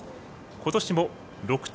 ことしも６頭